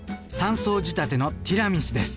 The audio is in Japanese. ３層仕立てのティラミスです。